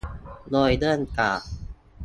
โดยเริ่มจาก